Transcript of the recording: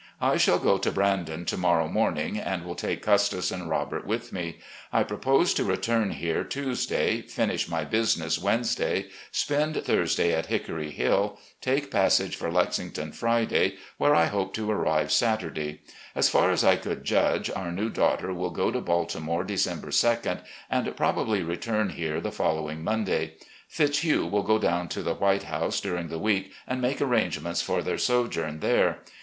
I shall go to Brandon to morrow morning, and will take Custis and Robert with me. I propose to return here Tuesday, finish my business Wednesday, spend Thursday at Hickory HiH, take pas sage for Lexington Friday, where I hope to arrive Satur day. As far as I coiild judge, our new daughter will go to Baltimore December 2d and probably return here the following Monday. Fitzhugh will go down to the White House during the week and make arrangements for their sojourn there.